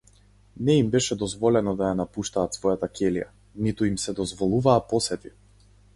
Не им беше дозволено да ја напуштаат својата ќелија, ниту им се дозволуваа посети.